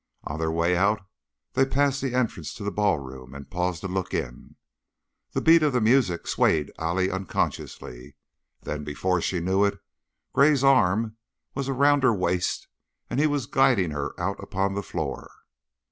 On their way out they passed the entrance to the ballroom and paused to look in. The beat of the music swayed Allie unconsciously; then, before she knew it, Gray's arm was around her waist and he was guiding her out upon the floor.